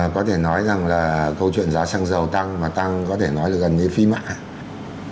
có thể nói rằng là câu chuyện giá xăng dầu tăng mà tăng có thể nói là gần như phi mã